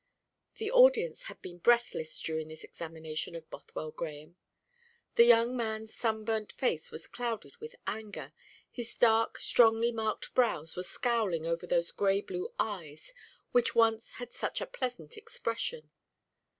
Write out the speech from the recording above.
The audience had been breathless during this examination of Bothwell Grahame. The young man's sunburnt face was clouded with anger, his dark strongly marked brows were scowling over those gray blue eyes which once had such a pleasant expression.